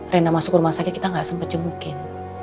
rena masuk rumah sakit kita gak sempet jengukin